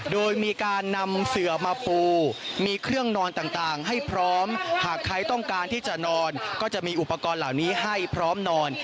โดยมีการนำเสือมาปูมีเครื่องนอนต่างให้พร้อมหากใครต้องการที่จะนอนก็จะมีอุปกรณ์เหล่านี้ให้พร้อมนอน